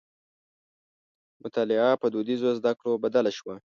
مطالعه په دودیزو زدکړو بدله شوه.